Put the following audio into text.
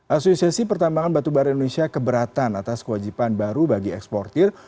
asosiasi pertambangan batubara indonesia keberatan atas kewajiban baru bagi eksportir